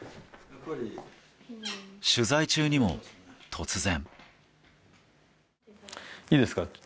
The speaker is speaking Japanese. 取材中にも突然。